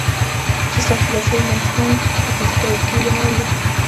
چې ستاسې د لاشعور منځپانګې په فزيکي او رښتينې بڼه اړوي.